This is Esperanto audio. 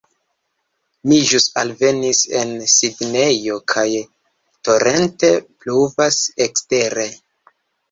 Mi ĵus alvenis en Sidnejo kaj torente pluvas ekstere